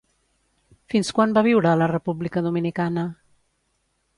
Fins quan va viure a la República Dominicana?